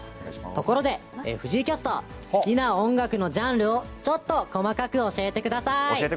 ところで、藤井キャスター、好きな音楽のジャンルをちょっと教えてください。